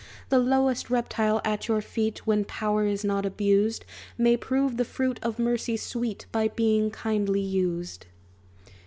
"The lowest reptile at your feet, When power is not abused, May prove the fruit of mercy sweet, By being kindly used!"